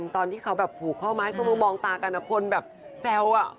ตอนที่เขาแบบหูข้อม้าให้คุณผู้มองตากันคนแบบแซว